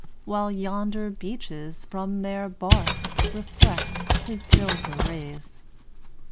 While yonder beeches from their barks Reflect his silver rays.